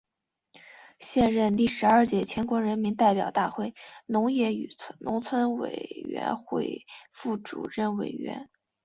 现任第十二届全国人民代表大会农业与农村委员会副主任委员。